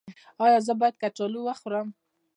ایا زه باید کچالو وخورم؟